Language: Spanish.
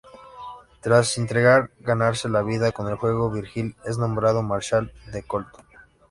Tras intentar ganarse la vida con el juego, Virgil es nombrado "marshall" de Colton.